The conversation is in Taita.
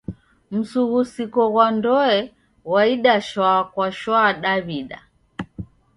Msughusiko ghwa ndoe ghwaida shwa kwa shwa Daw'ida.